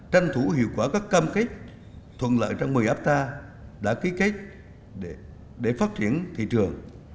tranh thủ hiệu quả các cam kết thuận lợi trong một mươi afta đã ký kết để phát triển thị trường